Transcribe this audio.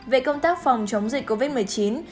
về công tác phòng chống dịch covid một mươi chín